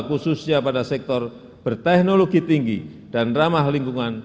khususnya pada sektor berteknologi tinggi dan ramah lingkungan